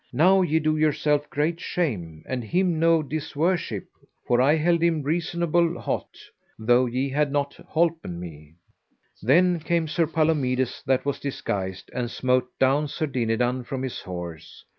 now ye do yourself great shame, and him no disworship; for I held him reasonable hot, though ye had not holpen me. Then came Sir Palomides that was disguised, and smote down Sir Dinadan from his horse.